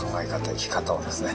生き方をですね